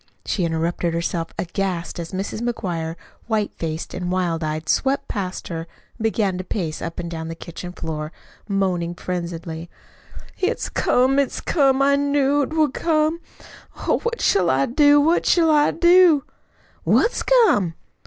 she interrupted herself, aghast, as Mrs. McGuire, white faced and wild eyed, swept past her and began to pace up and down the kitchen floor, moaning frenziedly: "It's come it's come I knew't would come. Oh, what shall I do? What shall I do?" "What's come?"